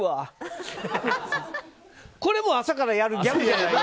これも朝からやるギャグじゃない。